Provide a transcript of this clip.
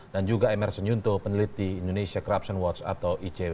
dan juga emerson yunto peneliti indonesia corruption watch atau icw